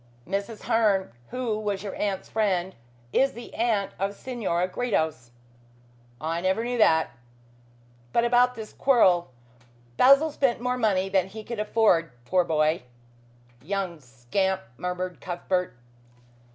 "Mrs. Herne, who was your aunt's friend, is the aunt of Senora Gredos." "I never knew that. But about this quarrel. Basil spent more money than he could afford, poor boy " "Young scamp," murmured Cuthbert.